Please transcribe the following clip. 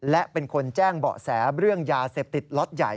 และเป็นคนแจ้งเบาะแสเรื่องยาเสพติดล็อตใหญ่